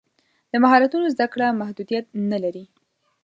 د مهارتونو زده کړه محدودیت نه لري.